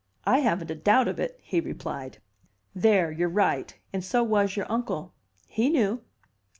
"I haven't a doubt of it," he replied. "There you're right. And so was your uncle. He knew.